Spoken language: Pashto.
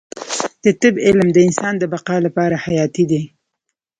د طب علم د انسان د بقا لپاره حیاتي دی